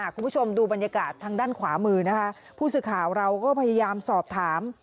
คุณผู้ชมดูบรรยากาศทางด้านขวามือนะคะผู้สื่อข่าวเราก็พยายามสอบถาม